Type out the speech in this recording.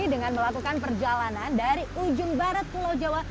dengan melakukan perjalanan dari ujung barat pulau jawa